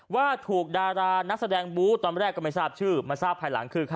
ว่าถูกดารานักแสดงบู๊ตอนแรกก็ไม่ทราบชื่อมาทราบภายหลังคือใคร